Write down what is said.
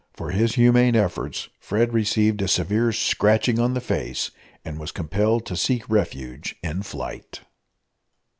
For his humane efforts Fred received a severe scratching on the face, and was compelled to seek refuge in flight.